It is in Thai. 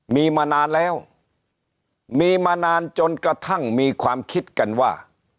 มีมานานแล้วมีมานานจนกระทั่งมีความคิดกันว่า